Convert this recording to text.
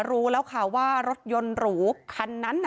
รู้แล้วค่ะเพราะว่ารถยนต์หลูครั้นนั้น